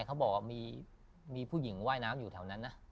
เขาบอกว่ามีผู้หญิงว่ายน้ำอยู่แถวนั้นนะ